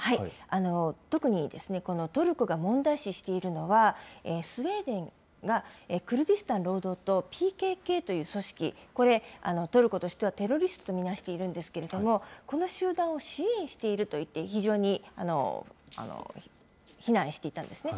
特にトルコが問題視しているのは、スウェーデンが労働党とＰＫＫという組織、これ、トルコとしてはテロリストと見なしているんですけれども、この集団を支援しているといって非常に非難していたんですね。